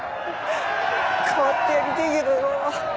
代わってやりてえけどよ